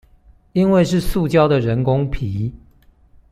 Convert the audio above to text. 因為是塑膠的人工皮